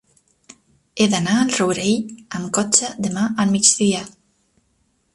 He d'anar al Rourell amb cotxe demà al migdia.